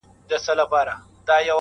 یاره چنار دي پېغور نه راکوي,